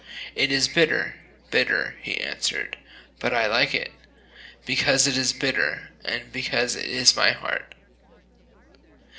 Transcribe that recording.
"It is bitter bitter," he answered; "But I like it Because it is bitter, And because it is my heart."